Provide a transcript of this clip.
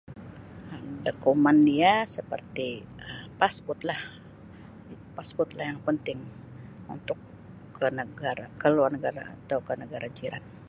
"Dakuman dia seperti ""passport"" lah ""passport"" lah yang penting untuk ke negara ke luar negara atau ke negara jiran."